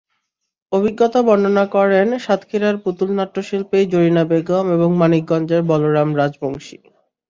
অভিজ্ঞতা বর্ণনা করেন সাতক্ষীরার পুতুল নাট্যশিল্পী জরিনা বেগম এবং মানিকগঞ্জের বলরাম রাজবংশী।